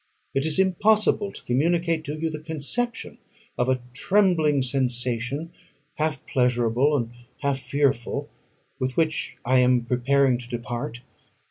It is impossible to communicate to you a conception of the trembling sensation, half pleasurable and half fearful, with which I am preparing to depart.